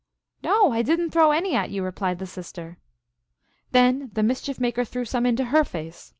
" "No, I did not throw any at you," replied the sister. Then the Mischief Maker threw some into her face.